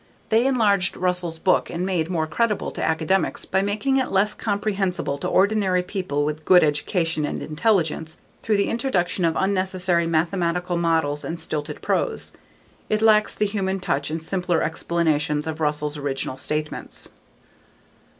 They enlarged Russell's book and made more credible to academics by making it less comprehensible to ordinary people with good education and intelligence through the introduction of unnecessary mathematical models and stilted prose. it lacks the human touch and simpler explanations of Russell's original statements.